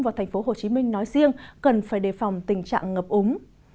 và thành phố hồ chí minh nói riêng cần phải đề phòng tình trạng ngập úng